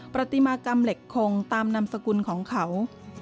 ปฏิมากรรมเหล็กคงตามนามสกุลของเขา